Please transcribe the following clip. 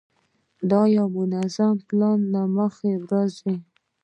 د یوه منظم پلان له مخې ورځو.